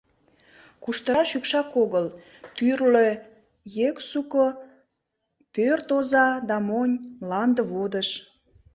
— «Куштыра шӱкшак огыл, тӱрлӧ ексуко, пӧрт оза да монь, мланде водыж.